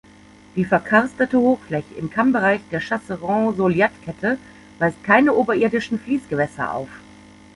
Die verkarstete Hochfläche im Kammbereich der Chasseron-Soliat-Kette weist keine oberirdischen Fliessgewässer auf.